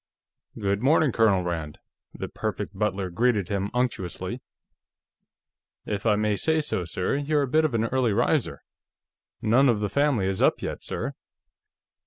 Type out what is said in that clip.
"Good morning, Colonel Rand," the Perfect Butler greeted him unctuously. "If I may say so, sir, you're a bit of an early riser. None of the family is up yet, sir."